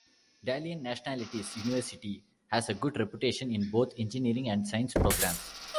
Dalian Nationalities University has a good reputation in both engineering and science programs.